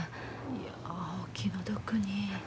いやお気の毒に。